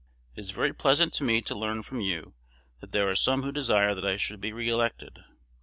It is very pleasant to me to learn from you that there are some who desire that I should be re elected.